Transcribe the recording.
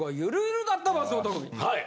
はい！